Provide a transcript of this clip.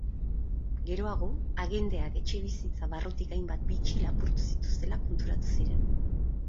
Geroago, agenteak etxebizitza barrutik hainbat bitxi lapurtu zituztela konturatu ziren.